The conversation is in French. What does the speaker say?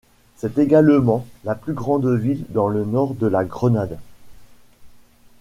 C'est également la plus grande ville dans le nord de la Grenade.